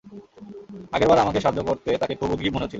আগেরবার আমাকে সাহায্য করতে তাকে খুব উদগ্রীব মনে হচ্ছিল।